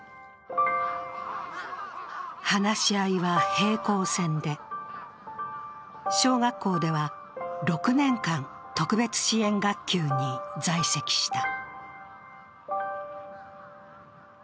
話し合いは平行線で小学校では６年間、特別支援学級に在籍した。